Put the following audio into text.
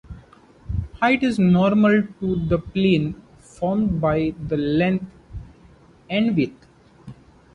Height is normal to the plane formed by the length and width.